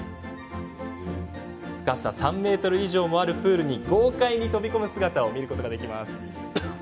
深さ３ｍ以上もあるプールに豪快に飛び込む姿を見ることができます。